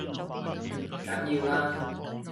唔緊要啦